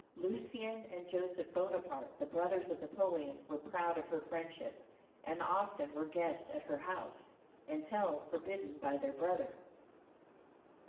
Lucien and Joseph Bonaparte, the brothers of Napoleon, were proud of her friendship, and often were guests at her house, until forbidden by their brother.